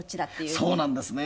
そうなんですね。